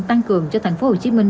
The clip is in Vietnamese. tăng cường cho thành phố hồ chí minh